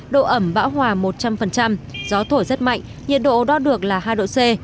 độ ẩm bão hòa một trăm linh gió thổi rất mạnh nhiệt độ đo được là hai độ c